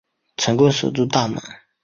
成功守住大门